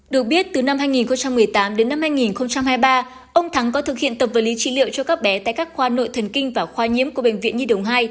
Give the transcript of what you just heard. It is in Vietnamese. được biết từ năm hai nghìn một mươi tám đến năm hai nghìn hai mươi ba ông thắng có thực hiện tập vật lý trị liệu cho các bé tại các khoa nội thần kinh và khoa nhiễm của bệnh viện nhi đồng hai